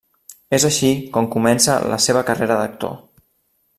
És així com comença la seva carrera d'actor.